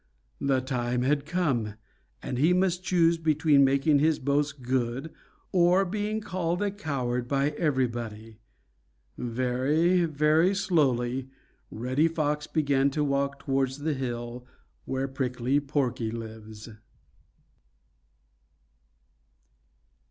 The time had come, and he must choose between making his boast good or being called a coward by everybody. Very, very slowly, Reddy Fox began to walk towards the hill where Prickly Porky lives.